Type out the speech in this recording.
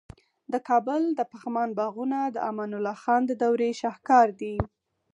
د کابل د پغمان باغونه د امان الله خان د دورې شاهکار دي